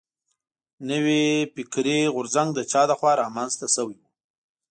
نوی فکري غورځنګ د چا له خوا را منځ ته شوی و.